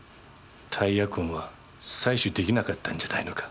タイヤ痕は採取出来なかったんじゃないのか？